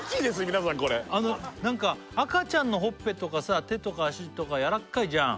皆さんこれ赤ちゃんのほっぺとかさ手とか足とかやらっかいじゃん